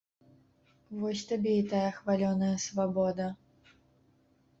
Вось табе і тая хвалёная свабода!